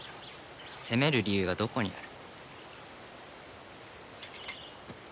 責める理由がどこにある？